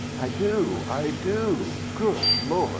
"I do, I do! Good Lord!